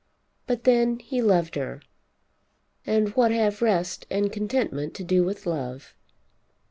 But then he loved her. And what have rest and contentment to do with love?